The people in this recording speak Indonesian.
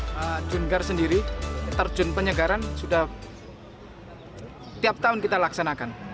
pak junkar sendiri terjun penyegaran sudah tiap tahun kita laksanakan